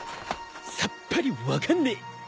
さっぱり分かんねえ。